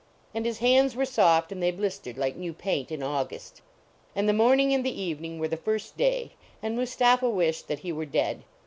And his hands were soft, and they blistered like new paint in August. And the morning and the evening were the first day, and Mustapha wished that he were dead.